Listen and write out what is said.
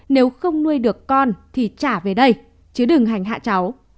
nếu không nuôi được con thì trả về đây chứ đừng hành hạ cháu